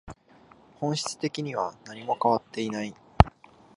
本質的には何も変わっていない